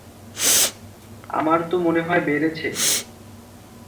আমার তো মনে হয় বেড়েছে।